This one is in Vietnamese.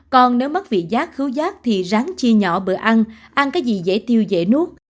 còn nếu mất vị giác cứu giác thì ráng chia nhỏ bữa ăn ăn cái gì dễ tiêu dễ nuốt